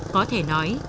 có thể nói